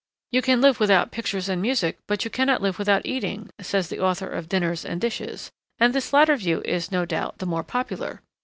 You can live without pictures and music but you cannot live without eating, says the author of Dinners and Dishes; and this latter view is, no doubt, the more popular.